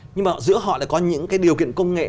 nhưng mà giữa họ lại có những cái điều kiện công nghệ